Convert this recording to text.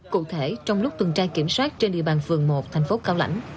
cụ thể trong lúc tuần tra kiểm soát trên địa bàn phường một thành phố cao lãnh